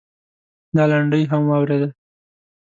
دا لنډۍ هم واورېده.